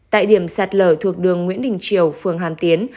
tại điểm sạt lở thuộc đường nguyễn đình triều phường hàm tiến